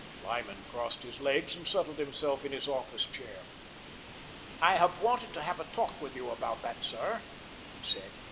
Lyman crossed his legs and settled himself in his office chair. "I have wanted to have a talk with you about that, sir," he said.